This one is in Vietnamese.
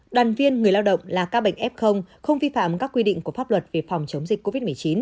đoàn viên người lao động là các bệnh f không vi phạm các quy định của pháp luật về phòng chống dịch covid một mươi chín